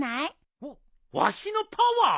わっわしのパワー？